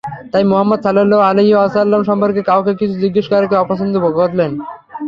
তাই মুহাম্মদ সাল্লাল্লাহু আলাইহি ওয়াসাল্লাম সম্পর্কে কাউকে কিছু জিজ্ঞেস করাকে অপছন্দ করলেন।